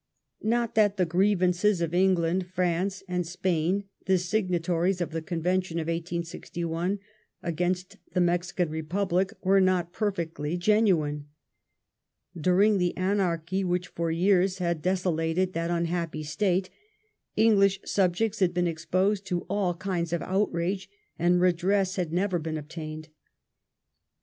Not that the grievances of England, France, and Spain, the signatories of the Convention of 1861, against the Mexican Republic, were not perfectly genuine. During the anarchy which for years had desolated that unhappy State, English subjects had been exposed to all kinds of outrage, and redress had never been obtained.